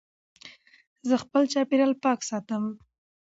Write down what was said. زه خپل چاپېریال پاک ساتم.